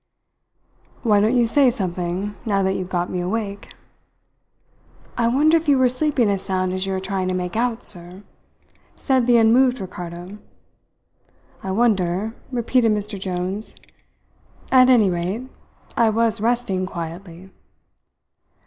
"Why don't you say something, now that you've got me awake?" "I wonder if you were sleeping as sound as you are trying to make out, sir," said the unmoved Ricardo. "I wonder," repeated Mr. Jones. "At any rate, I was resting quietly!"